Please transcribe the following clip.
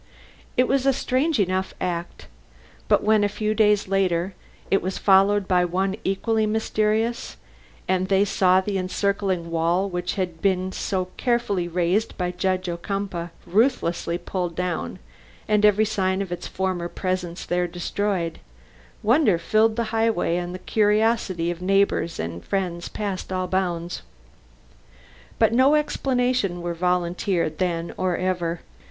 It was a strange act enough; but when, a few days later, it was followed by one equally mysterious, and they saw the encircling wall which had been so carefully raised by Judge Ocumpaugh ruthlessly pulled down, and every sign of its former presence there destroyed, wonder filled the highway and the curiosity of neighbors and friends passed all bounds. But no explanations were volunteered then or ever.